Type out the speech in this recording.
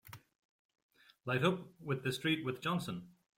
Light up with the street with Johnson!